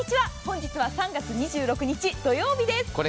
本日は３月２６日土曜日です。